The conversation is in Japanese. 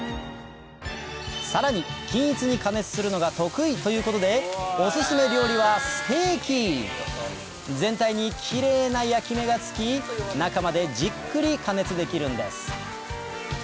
さらに均一に加熱するのが得意ということでオススメ料理はステーキ全体にキレイな焼き目がつき中までじっくり加熱できるんです